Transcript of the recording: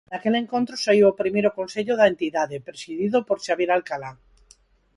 Daquel encontro saíu o primeiro Consello da entidade, presidido por Xavier Alcalá.